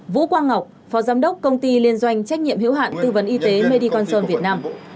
vũ quang ngọc phó giám đốc công ty liên doanh trách nhiệm hiếu hạn tư vấn y tế mediconson việt nam